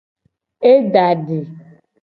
E da di.